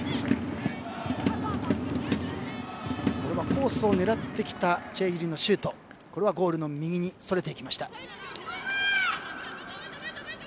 コースを狙ってきたチェ・ユリのシュートでしたがゴールの右にそれていきました。